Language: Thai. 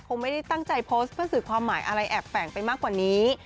คงไม่ได้ตั้งใจโพสต์เพื่อสื่อความหมายอะไรแอบแฝงไปมากกว่านี้